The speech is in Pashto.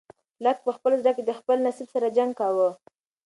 لښتې په خپل زړه کې د خپل نصیب سره جنګ کاوه.